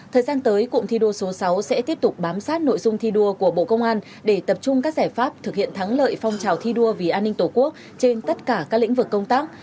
thời gian tới cụm thi đua số sáu sẽ tiếp tục bám sát nội dung thi đua của bộ công an để tập trung các giải pháp thực hiện thắng lợi phong trào thi đua vì an ninh tổ quốc trên tất cả các lĩnh vực công tác